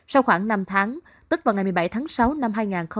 sau khoảng năm tháng tức vào ngày một mươi bảy tháng sáu năm hai nghìn hai mươi